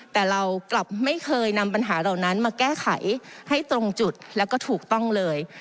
แต่เรากลับไม่เคยนำปัญหาเหล่านั้นมาแก้ไขให้ตรงจุดแล้วก็ถูกต้องเลย